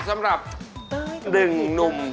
สำหรับหนึ่งหนุ่ม